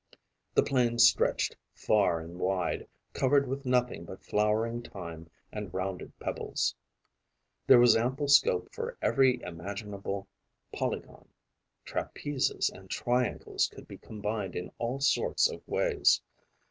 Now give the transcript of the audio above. The plain stretched far and wide, covered with nothing but flowering thyme and rounded pebbles. There was ample scope for every imaginable polygon; trapezes and triangles could be combined in all sorts of ways.